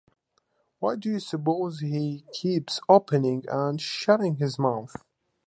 Why do you suppose he keeps opening and shutting his mouth?